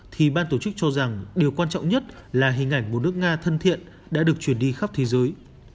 thì ban tổ chức cho rằng điều quan trọng nhất là hình ảnh một nước nga thân thiện đã được chuyển đi khắp thế giới